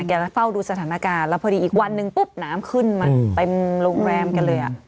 แล้วเฝ้าดูสถานการณ์ปุ๊บน้ำขึ้นมาเป็นโรงแรมกันเลย